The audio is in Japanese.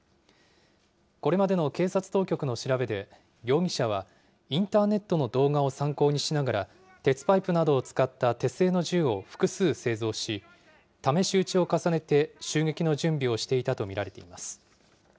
これまでの警察当局の調べで、容疑者は、インターネットの動画を参考にしながら、鉄パイプなどを使った手製の銃を複数製造し、試し撃ちを重ねて、襲撃の準備をしていたと見られています。